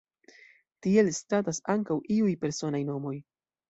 Tiel statas ankaŭ iuj personaj nomoj.